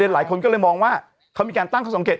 หลายคนก็เลยมองว่าเขามีการตั้งข้อสังเกต